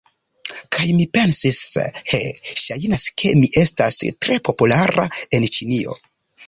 Kaj mi pensis, he, ŝajnas ke mi estas tre populara en Ĉinio.